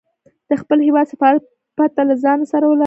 د خپل هیواد سفارت پته له ځانه سره ولره.